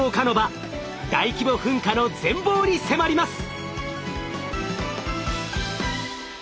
大規模噴火の全貌に迫ります！